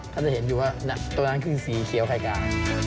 เขาจะเห็นอยู่ว่าเนี่ยตัวนั้นคือสีเขียวไข่กา